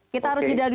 kita harus jeda dulu